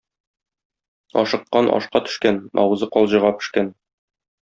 Ашыккан ашка төшкән, авызы калҗага пешкән.